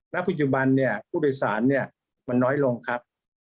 และปัจจุบันผู้โดยสารมันน้อยลงครับ